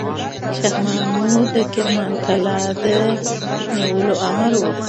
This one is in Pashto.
شاه محمود د کرمان قلعه د نیولو امر وکړ.